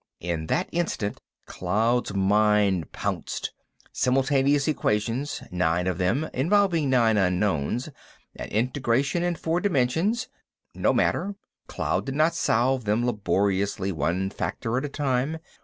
In that instant Cloud's mind pounced. Simultaneous equations: nine of them, involving nine unknowns. An integration in four dimensions. No matter—Cloud did not solve them laboriously, one factor at a time.